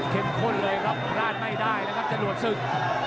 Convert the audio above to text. เข้มข้นเลยครับร้านไม่ได้นะครับจะหลวดสึก